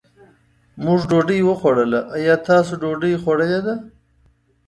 مونږ ډوډۍ وخوړله، ايا تاسو ډوډۍ خوړلې ده؟